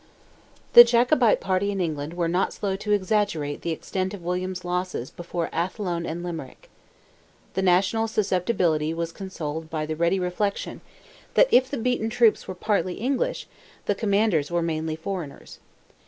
The Jacobite party in England were not slow to exaggerate the extent of William's losses before Athlone and Limerick. The national susceptibility was consoled by the ready reflection, that if the beaten troops were partly English, the commanders were mainly foreigners.